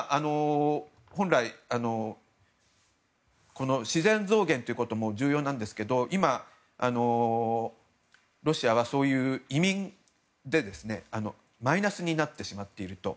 本来、自然増減ということも重要ですが今ロシアはそういう移民でマイナスになってしまっていると。